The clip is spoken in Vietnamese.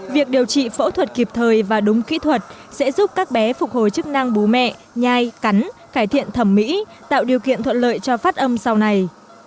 việc điều trị phẫu thuật kịp thời và đúng kỹ thuật sẽ giúp các bé phục hồi chức năng bố mẹ nhai cắn cải thiện thẩm mỹ tạo điều kiện thuận lợi cho phát âm sau này